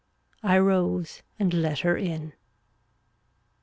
I rose and let her in.